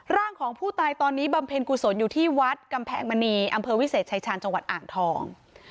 ร่างของผู้ตายตอนนี้บำเพ็ญกุศลอยู่ที่วัดกำแพงมณีอำเภอวิเศษชายชาญจังหวัดอ่างทอง